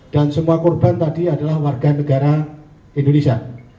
dan semua kurban tadi adalah warga negara indonesia